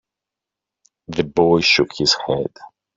The boy shook his head.